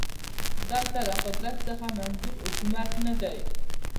دلته له قدرت څخه منظور حکومت نه دی